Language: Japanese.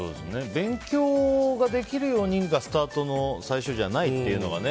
勉強ができるようにがスタートの最初じゃないっていうのがね。